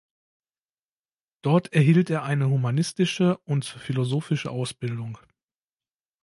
Dort erhielt er eine humanistische und philosophische Ausbildung.